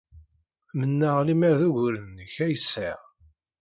Mennaɣ lemmer d uguren-nnek ay sɛiɣ.